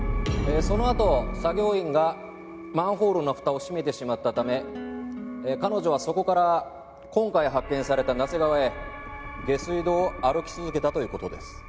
そのあと作業員がマンホールの蓋を閉めてしまったため彼女はそこから今回発見された那瀬川へ下水道を歩き続けたという事です。